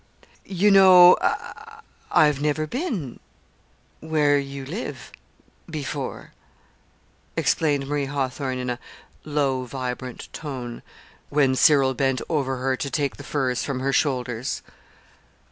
"You know I've never been where you live before," explained Marie Hawthorn in a low, vibrant tone, when Cyril bent over her to take the furs from her shoulders.